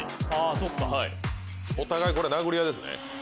あそっかお互いこれ殴り合いですね